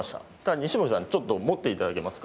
西森さんちょっと持って頂けますか。